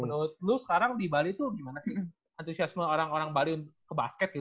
menurut lu sekarang di bali tuh gimana sih antusiasme orang orang bali untuk ke basket gitu